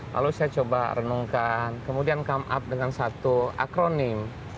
lalu saya coba renungkan kemudian come up dengan satu akronim